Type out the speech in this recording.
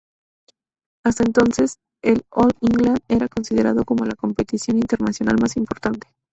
Hasta entonces, el All England era considerado como la competición internacional más importante.